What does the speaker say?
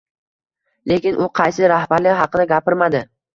Lekin u qaysi rahbarlik haqida gapirmadi